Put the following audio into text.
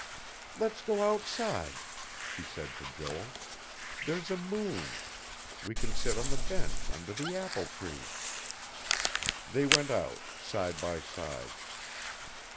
"Let's go outside," she said to Joel. "There's a moon. We can sit on the bench, under the apple tree...." They went out, side by side.